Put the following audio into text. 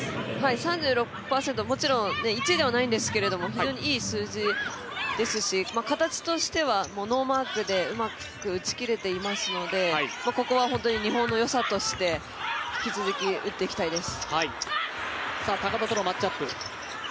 ３６％、もちろん１位ではないんですけど非常にいい数字ですし形としては、ノーマークでうまく打ち切れていますのでここは本当に日本のよさとして引き続き打っていきたいです。